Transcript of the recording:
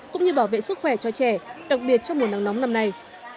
cũng như bảo vệ sức khỏe cho trẻ đặc biệt trong mùa nắng nóng năm nay